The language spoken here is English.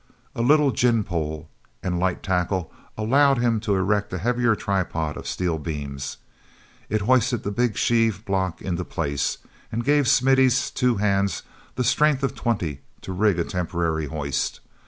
little gin pole and light tackle allowed him to erect a heavier tripod of steel beams; it hoisted the big sheave block into place, and gave Smithy's two hands the strength of twenty to rig a temporary hoist.